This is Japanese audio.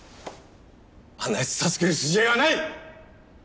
あんな奴助ける筋合いはない！